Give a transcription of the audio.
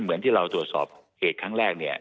เหมือนที่เราตรวจสอบเหตุครั้งแรกเนี่ย